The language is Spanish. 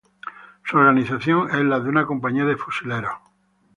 Su organización es la de una Compañía de Fusiles.